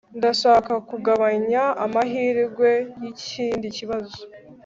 ndashaka kugabanya amahirwe yikindi kibazo